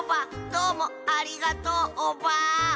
どうもありがとうオバ。